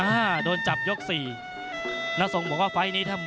นักมวยจอมคำหวังเว่เลยนะครับ